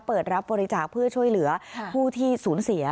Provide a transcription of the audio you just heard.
เปิดรับบริจาคเพื่อช่วยเหลือผู้ที่สูญเสีย